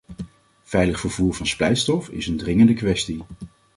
Veilig vervoer van splijtstof is een dringende kwestie.